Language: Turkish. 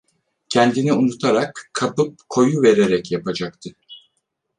Kendini unutarak, kapıp koyuvererek yapacaktı.